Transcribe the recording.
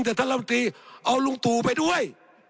แต่ถ้าเราเอาลุงตู่ไปด้วย